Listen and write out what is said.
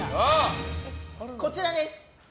こちらです。